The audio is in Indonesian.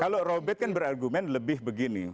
kalau robert kan berargumen lebih begini